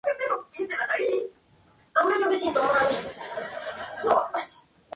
Publicó algunas obras literarias.